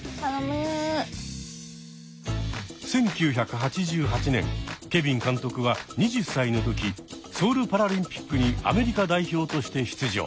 １９８８年ケビン監督は２０歳の時ソウルパラリンピックにアメリカ代表として出場。